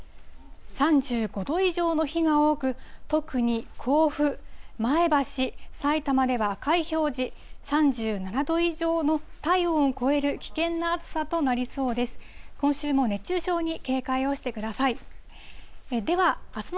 ３５度以上の日が多く、特に甲府、前橋、さいたまでは赤い表示、３７度以上の体温を超える危険な暑さとなりそうです。